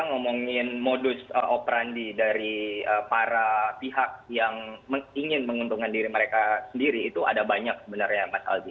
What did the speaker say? ngomongin modus operandi dari para pihak yang ingin menguntungkan diri mereka sendiri itu ada banyak sebenarnya mas aldi